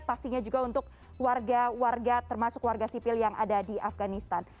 pastinya juga untuk warga warga termasuk warga sipil yang ada di afganistan